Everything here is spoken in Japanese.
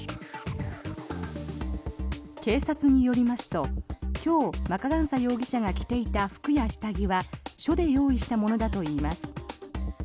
警察によりますと、今日マカガンサ容疑者が着ていた服や下着は署で用意したものだといいます。